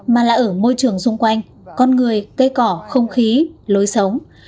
mà là ở môi trường xung quanh con người cây cỏ không khí lối sống